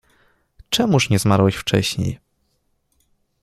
Czemuż nie zmarłeś wcześniej?